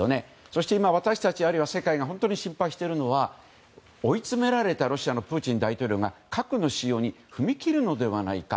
そして今、私たちあるいは世界が本当に心配しているのが追い詰められたロシアのプーチン大統領が核の使用に踏み切るのではないか。